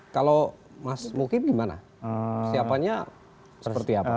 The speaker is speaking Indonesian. kalau mas mukim gimana persiapannya seperti apa